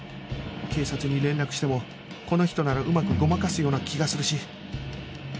警察に連絡してもこの人ならうまくごまかすような気がするし